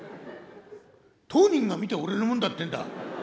当人が見て俺のもんだってんだ。